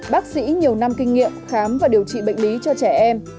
bác sĩ nhiều năm kinh nghiệm khám và điều trị bệnh lý cho trẻ em